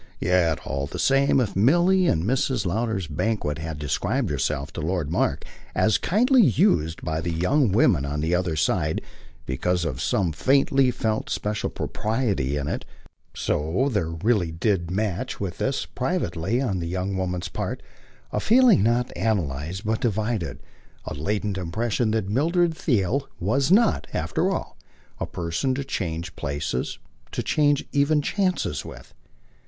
Yet, all the same, if Milly, at Mrs. Lowder's banquet, had described herself to Lord Mark as kindly used by the young woman on the other side because of some faintly felt special propriety in it, so there really did match with this, privately, on the young woman's part, a feeling not analysed but divided, a latent impression that Mildred Theale was not, after all, a person to change places, to change even chances with.